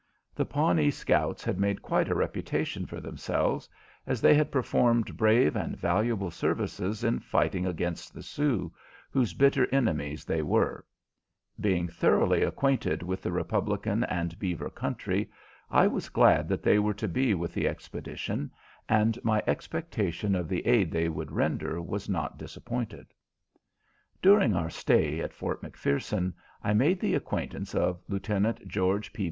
The Pawnee scouts had made quite a reputation for themselves, as they had performed brave and valuable services in fighting against the Sioux, whose bitter enemies they were; being thoroughly acquainted with the Republican and Beaver country, I was glad that they were to be with the expedition, and my expectation of the aid they would render was not disappointed. During our stay at Fort McPherson I made the acquaintance of Lieutenant George P.